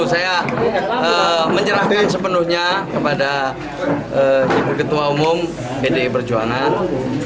saya menyerahkan sepenuhnya kepada ibu ketua umum pdi perjuangan